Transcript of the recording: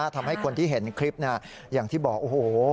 ทำให้คนที่เห็นคลิปอย่างที่บอกโอ้โห